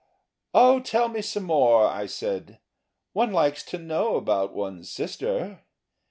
"Oh, tell me some more," I said, "one likes to know about one's sister.